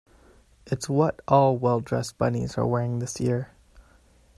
It's what all well-dressed bunnies are wearing this year.